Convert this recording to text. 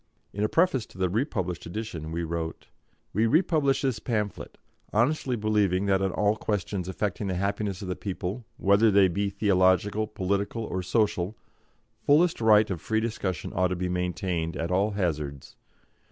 In a preface to the republished edition, we wrote: "We republish this pamphlet, honestly believing that on all questions affecting the happiness of the people, whether they be theological, political, or social, fullest right of free discussion ought to be maintained at all hazards.